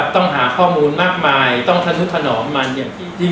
ต้องหาข้อมูลมากมายต้องทะนุถนอมมัน